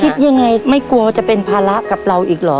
คิดยังไงไม่กลัวจะเป็นภาระกับเราอีกเหรอ